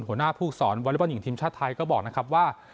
หัวหน้าภูกษรวรรยบรรยิ่งทีมชาติไทยก็บอกนะครับว่า